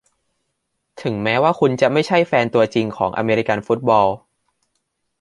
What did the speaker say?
ถึงแม้ว่าคุณจะไม่ใช่แฟนตัวจริงของอเมริกันฟุตบอล